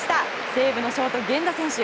西武のショート、源田選手。